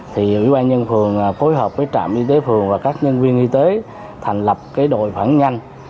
thì ubnd tp hcm phối hợp với trạm y tế phường và các nhân viên y tế thành lập đội phản nhanh